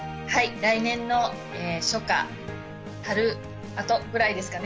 来年の初夏、春あとぐらいですかね。